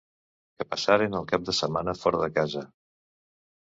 que passaren el cap de setmana fora de casa.